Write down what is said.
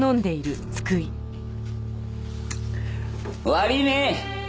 悪いね。